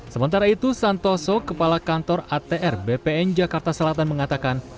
sementara itu santoso kepala kantor atr bpn jakarta selatan mengatakan